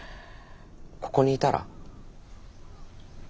ここにいたら？